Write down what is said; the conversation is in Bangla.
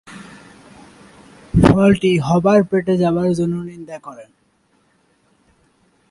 ফলটি হবার পেটে যাবার জন্য নিন্দা করেন।